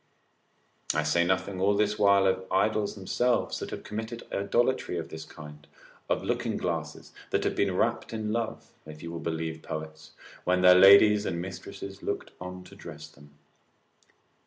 I say nothing all this while of idols themselves that have committed idolatry in this kind, of looking glasses, that have been rapt in love (if you will believe poets), when their ladies and mistresses looked on to dress them.